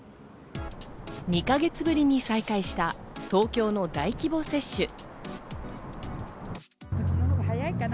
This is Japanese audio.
２か月ぶりに再開した東京の大規模接種。